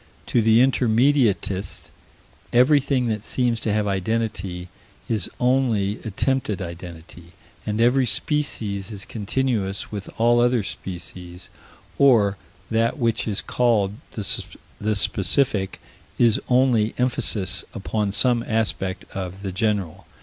To the Intermediatist, everything that seems to have identity is only attempted identity, and every species is continuous with all other species, or that which is called the specific is only emphasis upon some aspect of the general.